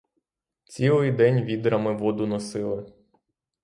Цілий день відрами воду носили.